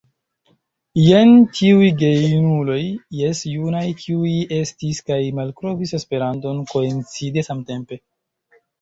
Jen tiuj gejunuloj, jes, junaj, kiuj ekestis kaj malkovris Esperanton, koincide samtempe!